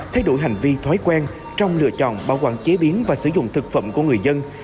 thay đổi hành vi thói quen trong lựa chọn bảo quản chế biến và sử dụng thực phẩm của người dân